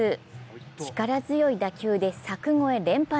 力強い打球で柵越え連発。